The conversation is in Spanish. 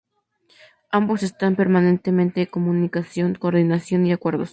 Ambos están en permanente comunicación, coordinación y acuerdos.